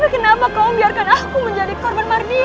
tapi kenapa kamu biarkan aku menjadi korban mardian